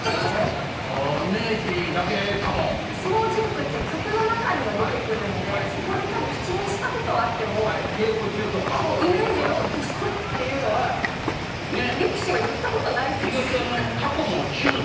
ああイメージだけかも「相撲甚句」っていう曲の中には出てくるのでそこで口にしたことはあっても稽古中とかイメージのどすこいっていうのは力士は言ったことない説